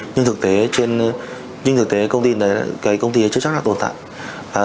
nhưng thực tế trên nhưng thực tế công ty này cái công ty ấy chưa chắc là tồn tại